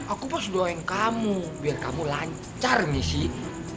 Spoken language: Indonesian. aku pas doain kamu biar kamu lancar nih sih